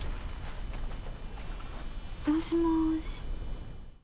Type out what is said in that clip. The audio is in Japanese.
もしもし？